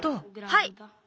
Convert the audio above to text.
はい！